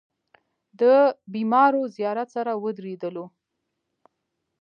د بېمارو زيارت سره ودرېدلو.